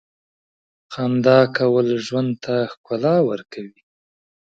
• خندا کول ژوند ته ښکلا ورکوي.